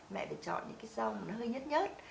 mẹ phải chọn những cái rau hơi nhất nhất